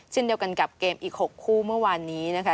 เช่นเดียวกันกับเกมอีก๖คู่เมื่อวานนี้นะคะ